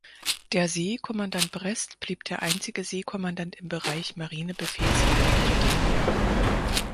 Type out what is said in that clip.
Der Seekommandant Brest blieb der einzige Seekommandant im Bereich Marinebefehlshaber Bretagne.